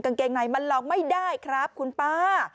กางเกงในมันลองไม่ได้ครับคุณป้า